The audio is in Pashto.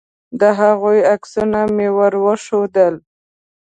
د هغوی عکسونه مې ور وښودل.